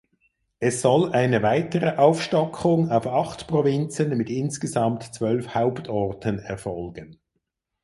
Es soll eine weitere Aufstockung auf acht Provinzen mit insgesamt zwölf Hauptorten erfolgen.